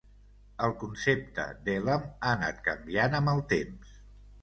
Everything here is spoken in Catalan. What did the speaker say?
El concepte d'Elam ha anat canviant amb el temps.